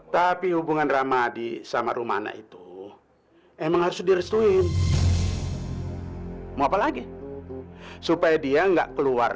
tapi hubungan ramadi sama rumana itu emang harus direstuin mau apa lagi supaya dia enggak keluar